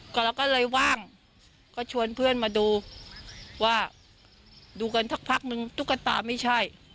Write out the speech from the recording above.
ก็เราก็เลยว่างก็ชวนเพื่อนมาดูว่าดูกันสักพักนึงตุ๊กตาไม่ใช่